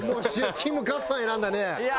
キム・カッファン選んだね。